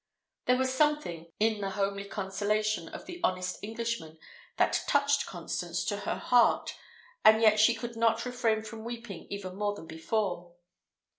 There was something in the homely consolation of the honest Englishman that touched Constance to the heart, and yet she could not refrain from weeping even more than before.